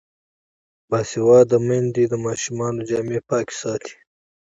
باسواده میندې د ماشومانو جامې پاکې ساتي.